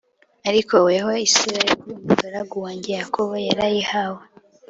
Ariko weho Isirayeli umugaragu wanjye Yakobo yarayihawe